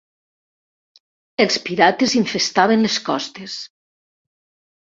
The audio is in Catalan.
Els pirates infestaven les costes.